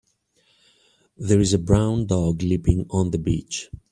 There is a brown dog leaping on the beach.